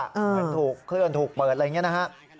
เหมือนถูกเคลื่อนถูกเปิดอะไรอย่างนี้นะครับ